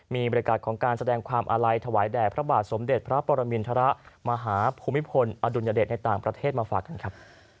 มีบริการของการแสดงความอาลัยถวายแด่พระบาทสมเด็จพระปรมินทรมาหาภูมิพลอดุลยเดชในต่างประเทศมาฝากกันครับ